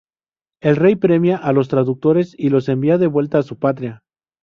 El rey premia a los traductores y los envía de vuelta a su patria.